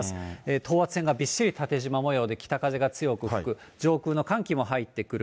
等圧線がびっしり縦じま模様で、北風が強く吹く、上空の寒気も入ってくる。